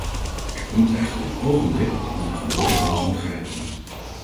Er komt echter een ogenblik dat men de geboden kans moet grijpen.